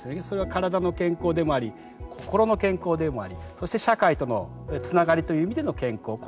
それは体の健康でもあり心の健康でもありそして社会とのつながりという意味での健康。